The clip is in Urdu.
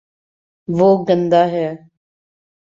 وہ گندا ہے